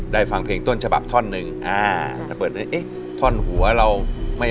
ได้ฟังเพลงต้นฉบับท่อนนึงถ้าเปิดท่อนหัวเราไม่มั่นใจ